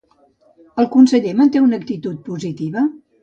El conseller manté una actitud positiva?